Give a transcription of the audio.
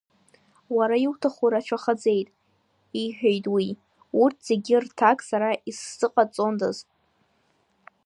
Уара иуҭаху рацәахаӡеит, – иҳәеит уи, урҭ зегьы рҭак сара исзыҟаҵондаз…